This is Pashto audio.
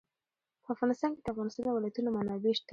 په افغانستان کې د د افغانستان ولايتونه منابع شته.